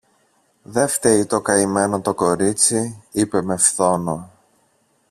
Δε φταίει το καημένο το κορίτσι, είπε με φθόνο.